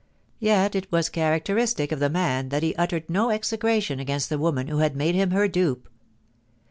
Yet it was characteristic of the man that he uttered no execration against the woman who had made him her dupe.